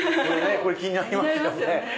これ気になりますよね。